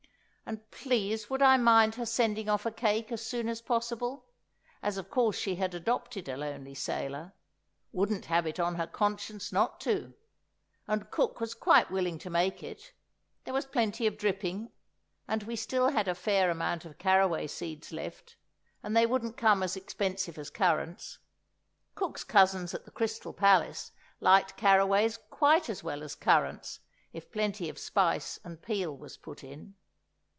And please would I mind her sending off a cake as soon as possible? as of course she had adopted a lonely sailor, wouldn't have it on her conscience not to; and cook was quite willing to make it, there was plenty of dripping, and we still had a fair amount of carraway seeds left, and they wouldn't come as expensive as currants—cook's cousins at the Crystal Palace liked carraways quite as well as currants if plenty of spice and peel was put in.